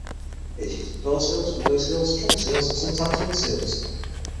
It is used in door seals, window seals, trunk seals, and sometimes hood seals.